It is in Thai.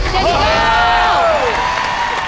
เฮ้ย